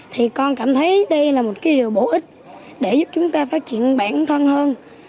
thì con cảm thấy đây là một cái điều bổ ích để giúp chúng ta phát triển bản thân hơn